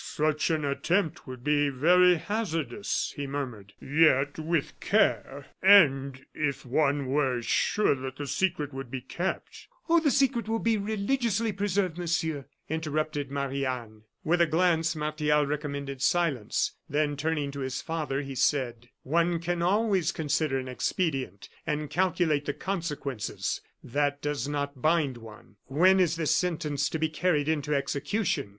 "Such an attempt would be very hazardous," he murmured; "yet, with care, and if one were sure that the secret would be kept " "Oh! the secret will be religiously preserved, Monsieur," interrupted Marie Anne. With a glance Martial recommended silence; then turning to his father, he said: "One can always consider an expedient, and calculate the consequences that does not bind one. When is this sentence to be carried into execution?"